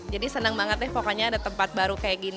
jadi senang banget deh pokoknya ada tempat baru kayak gini